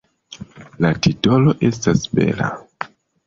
La titolo estas bela.